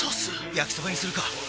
焼きそばにするか！